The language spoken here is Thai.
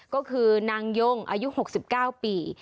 ก็คือนางย่งอายุ๖๙ปี